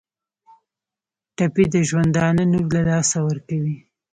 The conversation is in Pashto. ټپي د ژوندانه نور له لاسه ورکوي.